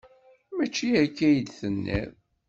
Mačči akka i d-tenniḍ.